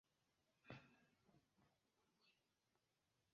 Pro la detruado de arbaroj la naturo ŝanĝiĝis.